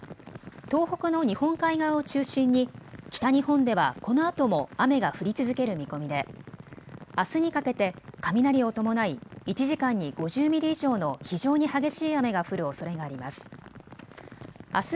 東北の日本海側を中心に北日本ではこのあとも雨が降り続ける見込みで、あすにかけて雷を伴い１時間に５０ミリ以上の非常に激しい雨が降るおそれがあります。